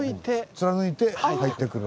貫いて入ってくる。